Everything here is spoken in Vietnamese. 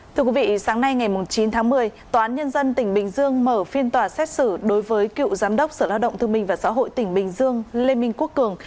thưa quý vị sáng nay ngày chín tháng một mươi tòa án nhân dân tỉnh bình dương mở phiên tòa xét xử đối với cựu giám đốc sở lao động thương minh và xã hội tỉnh bình dương lê minh quốc cường